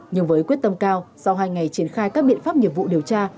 nhưng với quyết tâm cao sau hai ngày triển khai các biện pháp nghiệp vụ điều tra